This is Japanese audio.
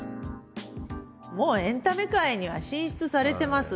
もうエンタメ界には進出されてますね。